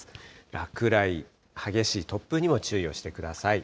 落雷、激しい突風にも注意をしてください。